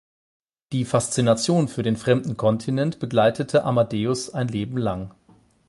Die Faszination für den fremden Kontinent begleitete Amadeus ein Leben lang.